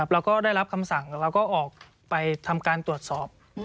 แล้วก็ได้รับคำสั่งแล้วก็ออกไปทำการตรวจสอบ